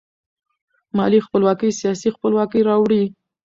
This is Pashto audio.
مالي خپلواکي سیاسي خپلواکي راوړي.